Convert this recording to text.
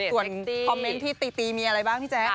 ส่วนคอมเมนต์ที่ตีตีมีอะไรบ้างพี่แจ๊ค